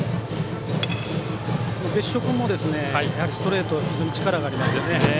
別所君も、ストレート非常に力がありますよね。